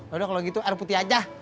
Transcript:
udah kalau gitu air putih aja